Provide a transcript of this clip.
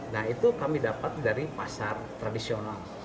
nah itu kami dapat dari pasar tradisional